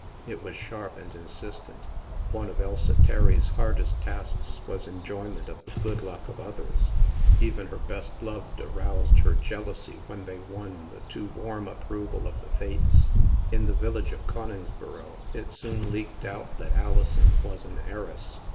It was sharp and insistent. One of Elsa Terry's hardest tasks was enjoyment of the good luck of others. Even her best loved aroused her jealousy when they won the too warm approval of the Fates. In the village of Coningsboro, it soon leaked out that Alison was an heiress.